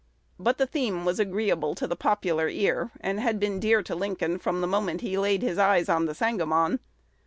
But the theme was agreeable to the popular ear, and had been dear to Lincoln from the moment he laid his eyes on the Sangamon.